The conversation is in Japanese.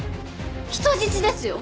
人質ですよ。